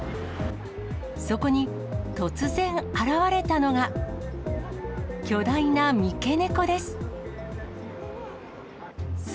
そこに突然現れたのが、巨大な三毛猫です。